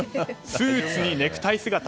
スーツにネクタイ姿。